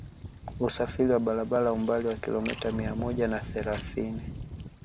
Usafiri wa barabara umbali wa kilomita mia moja na thelathini